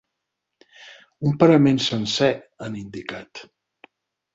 Un parament sencer, han indicat.